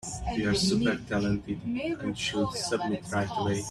You are super talented and should submit right away.